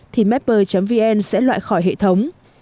thì mapper vn sẽ loại khỏi hệ thống